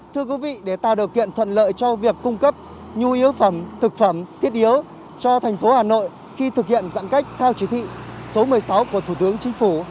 thưa quý vị để tạo điều kiện thuận lợi cho việc cung cấp nhu yếu phẩm thực phẩm thiết yếu cho thành phố hà nội khi thực hiện giãn cách theo chỉ thị số một mươi sáu của thủ tướng chính phủ